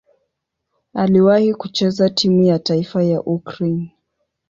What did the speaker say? Aliwahi kucheza timu ya taifa ya Ukraine.